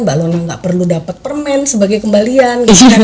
mbak luna nggak perlu dapat permen sebagai kembalian